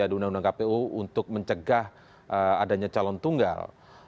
di undang undang kpu untuk mencegah adanya calon tunggal